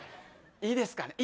いいですか？